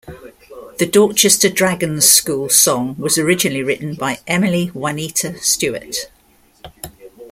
The Dorchester Dragon's School Song was originally written by Emily Juanita Stewart.